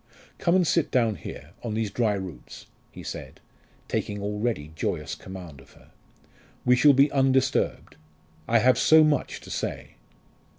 "Come and sit down here, on these dry roots," he said, taking already joyous command of her. "We shall be undisturbed. I have so much to say!"